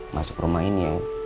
masuk rumah ini ya